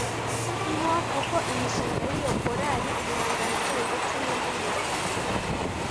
ngo kuko imishinga y'iyo korali, ibihangano byayo ndetse n'indi mirimo